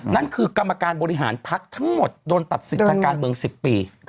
นั่นคือกรรมการบริหารพักทั้งหมดโดนตัดสิทธิ์ทางการเมือง๑๐ปี